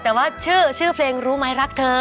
แต่ว่าชื่อชื่อเพลงรู้ไหมรักเธอ